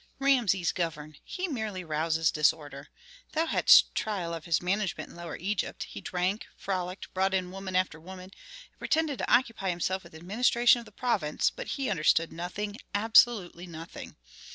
"Rameses govern! He merely rouses disorder. Thou hadst trial of his management in Lower Egypt: he drank, frolicked, brought in woman after woman, and pretended to occupy himself with administration of the province, but he understood nothing, absolutely nothing.